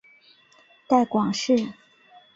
带广市